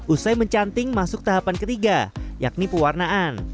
usai mencanting masuk tahapan ketiga yakni pewarnaan